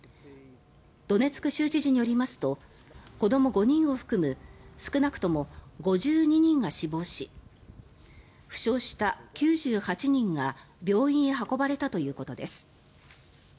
ドネツク州知事によりますと子ども５人を含む少なくとも５２人が死亡し負傷した９８人が病院へ運ばれたということです。